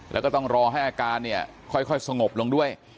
แล้วก็ต้องรอให้อาการเนี่ยค่อยสงบลงด้วย